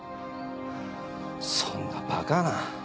そんなバカな。